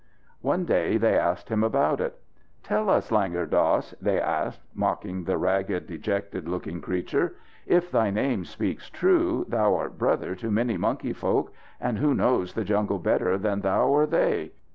One day they asked him about it. "Tell us, Langur Dass," they asked, mocking the ragged, dejected looking creature, "If thy name speaks truth, thou art brother to many monkey folk, and who knows the jungle better than thou or they?